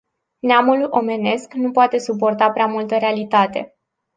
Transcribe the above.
Neamul omenesc nu poate suporta prea multă realitate.